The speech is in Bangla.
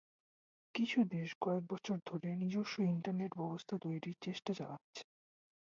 কিছু দেশ কয়েক বছর ধরে নিজস্ব ইন্টারনেট ব্যবস্থা তৈরির চেষ্টা চালাচ্ছে।